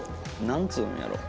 何つうんのやろう。